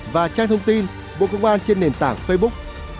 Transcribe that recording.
và trang thông tin bộ công an trên nền tảng facebook